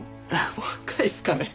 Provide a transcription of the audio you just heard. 若いっすかね？